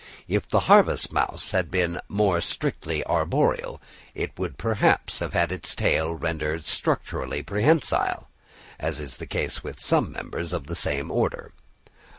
If the harvest mouse had been more strictly arboreal, it would perhaps have had its tail rendered structurally prehensile, as is the case with some members of the same order.